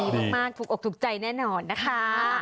มากถูกอกถูกใจแน่นอนนะคะ